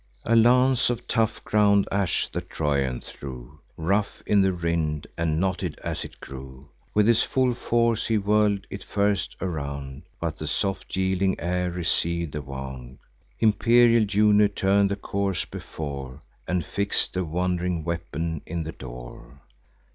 A lance of tough ground ash the Trojan threw, Rough in the rind, and knotted as it grew: With his full force he whirl'd it first around; But the soft yielding air receiv'd the wound: Imperial Juno turn'd the course before, And fix'd the wand'ring weapon in the door.